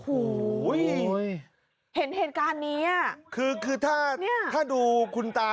อุ้ยเห็นเหตุการณ์เนี้ยคือคือถ้าเนี้ยถ้าดูคุณตา